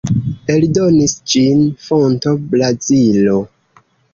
Eldonis ĝin Fonto, Brazilo.